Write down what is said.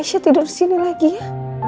keisha tidur disini lagi ya